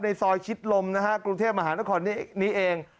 ซอยชิดลมนะฮะกรุงเทพมหานครนี้เอง